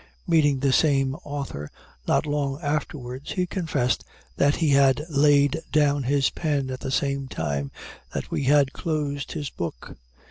Meeting the same author not long afterwards, he confessed that he had laid down his pen at the same time that we had closed his book.